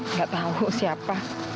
engga tahu siapa